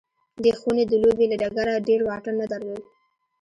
دې خونې د لوبې له ډګره ډېر واټن نه درلود